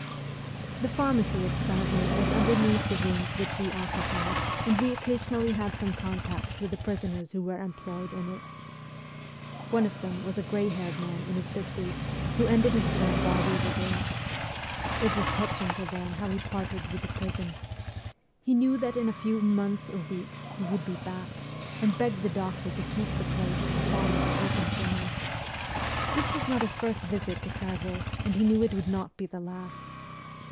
The pharmacy at Clairvaux \^as underneath the rooms which we occupied, and we occasionally had some contact with the prisoners who were employed in it. One of them was a grey haired man in his fifties, who ended his term while we were there. It was touching to learn how he parted with the prison. He knew that in a few months or weeks he would be back, and begged the doctor to keep the place at the pharmacy open for him. This was not his first visit to Clairvaux, and he knew it would not be the last.